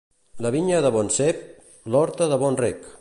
La vinya de bon cep; l'horta de bon reg.